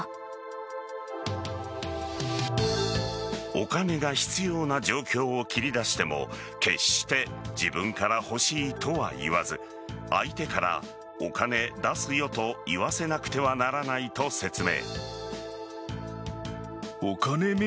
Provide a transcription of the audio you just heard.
お金が必要な状況を切り出しても決して自分から欲しいとは言わず相手から、お金出すよと言わせなくてはならないと説明。